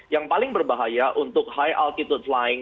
yang paling berbahaya untuk high altitude flying